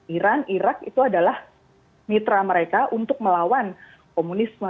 iran irak itu adalah mitra mereka untuk melawan komunisme